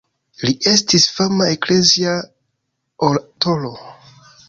Li estis fama eklezia oratoro.